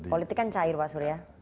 politik kan cair pak surya